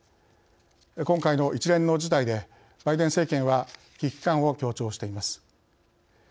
今回の一連の事態でバイデン政権は危機感を強調しています。